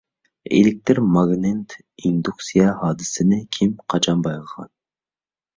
ئېلېكتىر ماگنىت ئىندۇكسىيە ھادىسىسىنى كىم، قاچان بايقىغان؟